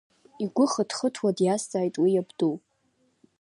Игәы хыҭ-хыҭуа диазҵааит уи иабду.